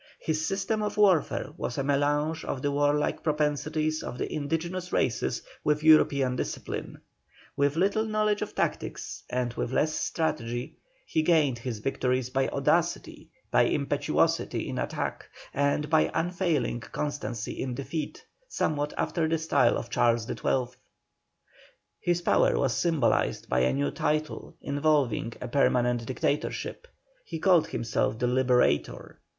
His system of warfare was a mélange of the warlike propensities of the indigenous races with European discipline. With little knowledge of tactics, and with less strategy, he gained his victories by audacity, by impetuosity in attack, and by unfailing constancy in defeat, somewhat after the style of Charles XII. His power was symbolized by a new title, involving a permanent Dictatorship; he called himself the LIBERATOR.